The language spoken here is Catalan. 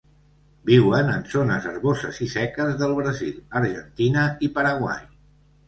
Viuen en zones herboses i seques del Brasil, Argentina i Paraguai.